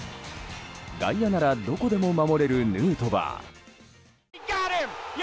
外野ならどこでも守れるヌートバー。